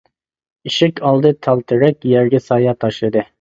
ئىشىك ئالدى تال تېرەك، يەرگە سايە تاشلىدى.